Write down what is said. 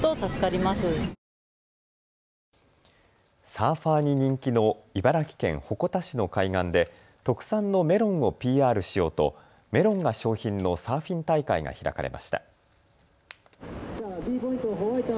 サーファーに人気の茨城県鉾田市の海岸で特産のメロンをＰＲしようとメロンが賞品のサーフィン大会が開かれました。